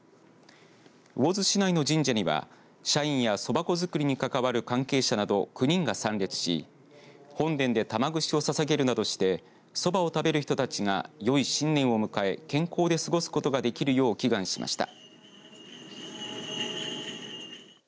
魚津市内の神社には社員や、そば粉づくりに関わる関係者など９人が参列し本殿で玉串をささげるなどしてそばを食べる人たちがよい新年を迎え健康で過ごすことができるよう祈願しました。